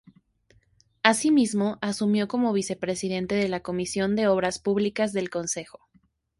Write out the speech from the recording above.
Asimismo, asumió como Vicepresidente de la Comisión de Obras Públicas del Concejo.